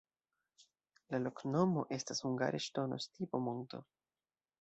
La loknomo estas hungare: ŝtono-stipo-monto.